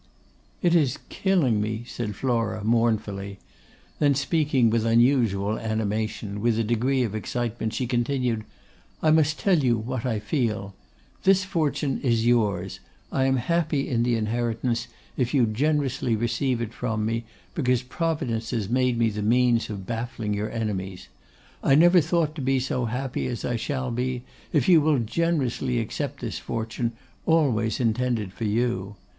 'It is killing me,' said Flora, mournfully; then speaking with unusual animation, with a degree of excitement, she continued, 'I must tell what I feel. This fortune is yours. I am happy in the inheritance, if you generously receive it from me, because Providence has made me the means of baffling your enemies. I never thought to be so happy as I shall be if you will generously accept this fortune, always intended for you.